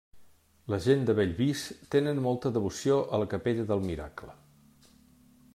La gent de Bellvís tenen molta devoció a la capella del Miracle.